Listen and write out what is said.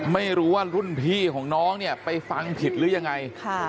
ไม่รู้ว่ารุ่นพี่ของน้องเนี่ยไปฟังผิดหรือยังไง